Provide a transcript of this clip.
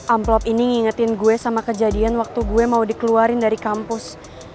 amplop ini ngingetin gue sama kejadian waktu gue mau dikeluarin dari kampus